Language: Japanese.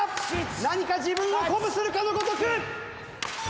何か自分を鼓舞するかのごとく！